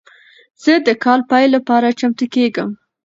زه د کال پیل لپاره چمتو کیږم.